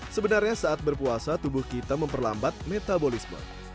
sebenarnya saat berpuasa tubuh kita memperlambat metabolisme